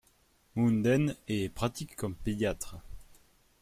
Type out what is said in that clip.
Münden et pratique comme pédiatre.